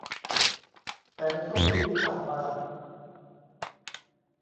แต่ในช่วงปีที่ผ่านมา